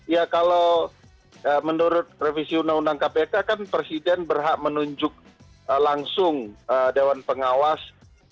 ya kalau menurut revisi undang undang kpk kan presiden berhak menunjuk langsung dewan pengawas